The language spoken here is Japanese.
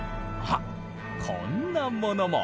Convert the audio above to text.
あっこんなものも。